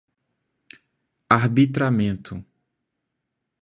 arbitramento